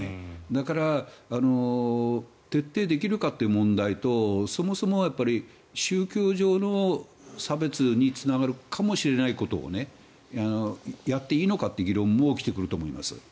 だから徹底できるかという問題とそもそも宗教上の差別につながるかもしれないことをやっていいのかという議論も起きてくると思います。